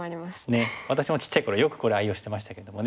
ねえ私もちっちゃいころよくこれ愛用してましたけどもね。